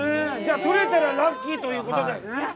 じゃあ取れたらラッキーということですね。